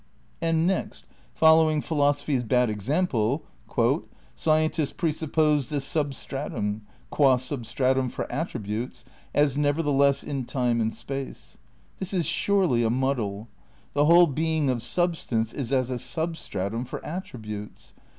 And next, following philosophy's bad example, "scientists ... presupposed this substratum, qua substratum for attributes, as nevertheless in time and space. This is surely a muddle. The whole being of substance is as a substratum for attributes.